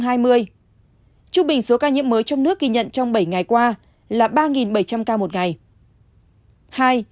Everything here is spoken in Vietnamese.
trung bình số ca nhiễm mới trong nước ghi nhận trong bảy ngày qua là ba bảy trăm linh ca một ngày